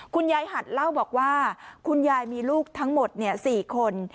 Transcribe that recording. คุณยายหัดเล่าบอกว่าคุณยายมีลูกทั้งหมด๔คน